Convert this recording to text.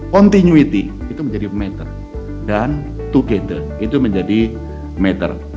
continuity itu menjadi meter dan together itu menjadi meter